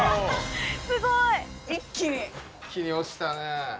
すごい一気に一気に落ちたね